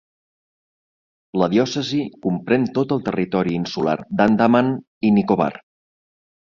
La diòcesi comprèn tot el territori insular d'Andaman i Nicobar.